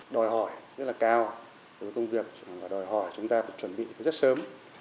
đòi hỏi rất là cao đòi hỏi chúng ta chuẩn bị rất sớm